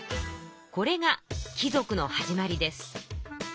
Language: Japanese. これが貴族の始まりです。